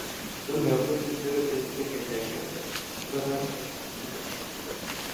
tom yavuze ibyo yateganyaga gukora uyu mugoroba